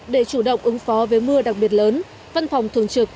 để chủ động ứng phó với mưa đặc biệt lớn văn phòng thường trực